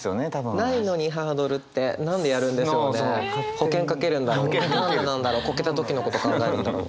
保険かけるんだろう何でなんだろう？コケた時のこと考えるんだろう？